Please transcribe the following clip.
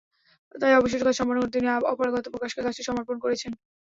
তাই অবশিষ্ট কাজ সম্পন্ন করতে তিনি অপারগতা প্রকাশ করে কাজটি সমর্পণ করেছেন।